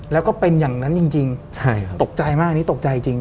แล้วก็เป็นอย่างนั้นจริงใช่ครับตกใจมากอันนี้ตกใจจริง